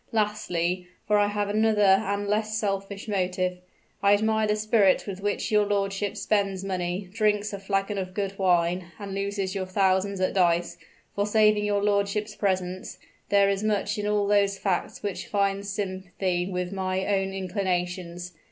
Lastly, for I have another and less selfish motive, I admire the spirit with which your lordship spends money, drinks a flagon of good wine, and loses your thousands at dice; for saving your lordship's presence, there is much in all those facts which finds sympathy with my own inclinations.